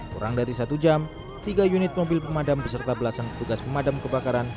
kurang dari satu jam tiga unit mobil pemadam beserta belasan tugas pemadam kebakaran